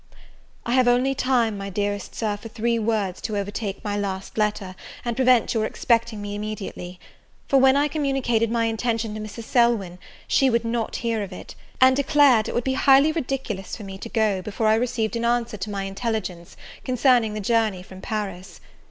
I HAVE only time, my dearest Sir, for three words, to overtake my last letter, and prevent your expecting me immediately; for, when I communicated my intention to Mrs. Selwyn, she would not hear of it, and declared it would be highly ridiculous for me to go before I received an answer to my intelligence concerning the journey from Paris.